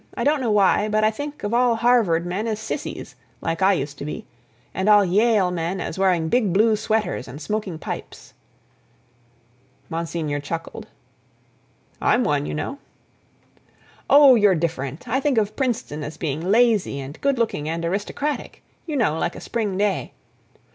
"I don't know why, but I think of all Harvard men as sissies, like I used to be, and all Yale men as wearing big blue sweaters and smoking pipes." Monsignor chuckled. "I'm one, you know." "Oh, you're different—I think of Princeton as being lazy and good looking and aristocratic—you know, like a spring day.